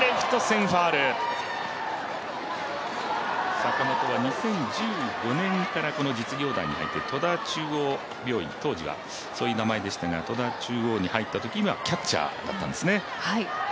坂本は２０１５年からこの実業団に入って戸田中央病院当時はそういう名前でしたがそのときにはキャッチャーだったんですね。